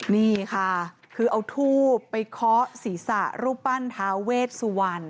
นี่ค่ะคือเอาทูบไปเคาะศีรษะรูปปั้นท้าเวชสุวรรณ